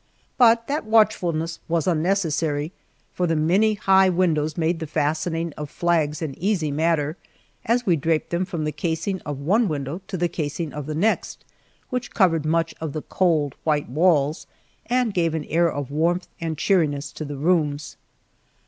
But that watchfulness was unnecessary, for the many high windows made the fastening of flags an easy matter, as we draped them from the casing of one window to the casing of the next, which covered much of the cold, white walls and gave an air of warmth and cheeriness to the rooms.